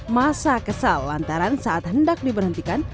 masa kesal lantaran saat hendak diberhentikan